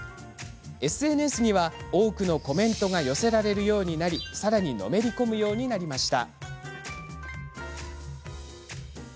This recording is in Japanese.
ＳＮＳには多くのコメントが寄せられるようになりさらに、のめり込むようになりました。